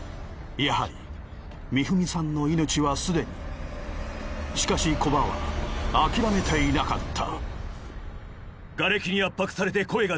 やはり美文さんの命はすでにしかし木庭は諦めていなかった